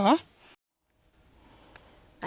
ครับ